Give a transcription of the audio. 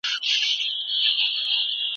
ژوند مي جهاني یوه شېبه پر باڼو ولیکه